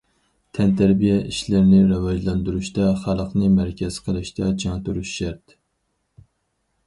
تەنتەربىيە ئىشلىرىنى راۋاجلاندۇرۇشتا خەلقنى مەركەز قىلىشتا چىڭ تۇرۇش شەرت.